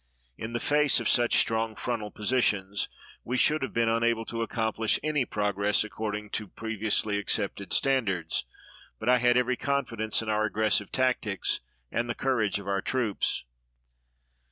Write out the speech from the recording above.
In the face of such strong frontal positions we should have been unable to accomplish any progress according to previously accepted standards, but I had every confidence in our aggressive tactics and the courage of our troops."